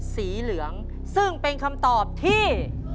สีเหลืองซึ่งเป็นคำตอบที่